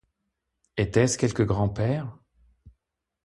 Était-ce quelque grand-père?